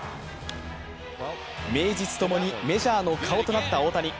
名実ともにメジャーの顔となった大谷。